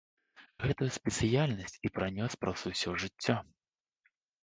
Гэтую спецыяльнасць і пранёс праз усё жыццё.